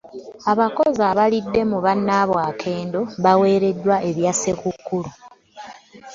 Abakozi abalidde mu bannabwe akendo baweereddwa ebya ssekkukulu.